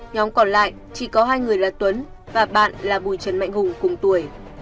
nhóm còn lại chỉ có hai người là tuấn và bạn là bùi trần mạnh hùng cùng tuổi